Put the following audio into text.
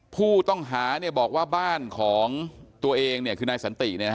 ผู้ต้องหาบอกว่าบ้านของตัวเองคือนายสันติ